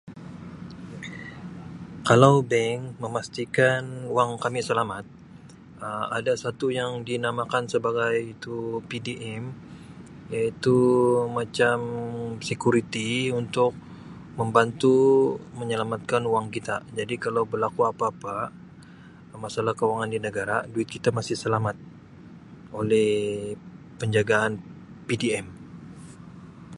Kalau bank memastikan wang kami selamat Um ada satu yang dinamakan sebagai tu PDM iaitu macam sekuriti untuk membantu menyelamatkan wang kita jadi kalau berlaku apa-apa masalah kewangan di negara duit kita masih selamat oleh penjagaan PDM.